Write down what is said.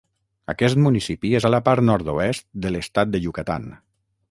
Aquest municipi és a la part nord-oest de l'estat de Yucatán.